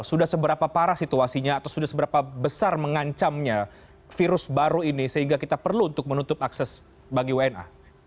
sudah seberapa parah situasinya atau sudah seberapa besar mengancamnya virus baru ini sehingga kita perlu untuk menutup akses bagi wna